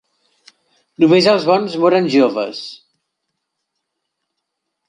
Només els bons moren joves.